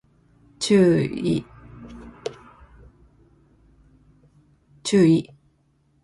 注意